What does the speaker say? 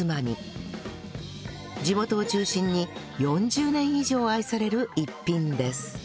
地元を中心に４０年以上愛される逸品です